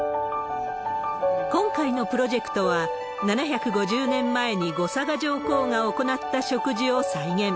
今回のプロジェクトは、７５０年前に後嵯峨上皇が行った植樹を再現。